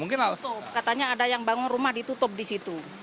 katanya ada yang bangun rumah ditutup di situ